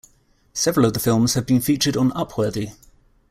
Several of the films have been featured on Upworthy.